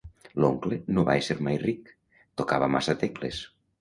L'oncle no va ésser mai ric: tocava massa tecles.